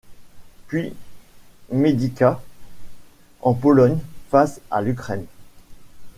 Puis Medyka, en Pologne, face à l’Ukraine.